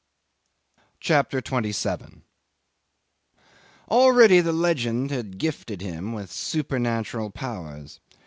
CHAPTER 27 'Already the legend had gifted him with supernatural powers.